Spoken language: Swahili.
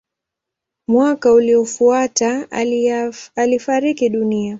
Mwaka uliofuata alifariki dunia.